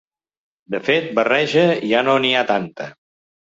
De fet, barreja ja no n’hi ha tanta.